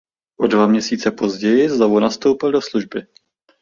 O dva měsíce později znovu nastoupil do služby.